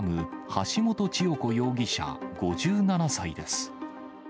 橋本千代子容疑者５７歳です。